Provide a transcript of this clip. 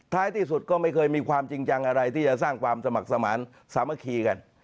ที่สุดก็ไม่เคยมีความจริงจังอะไรที่จะสร้างความสมัครสมานสามัคคีกัน